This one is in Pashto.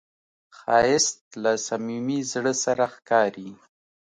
ښایست له صمیمي زړه سره ښکاري